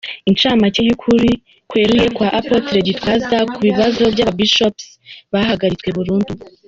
Incamake y’ukuri kweruye kwa Apotre Gitwaza ku kibazo cy’aba Bishops bahagaritswe burundu.